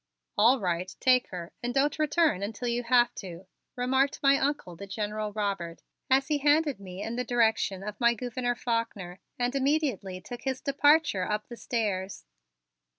"All right, take her and don't return her until you have to," remarked my Uncle, the General Robert, as he handed me in the direction of my Gouverneur Faulkner and immediately took his departure up the stairs.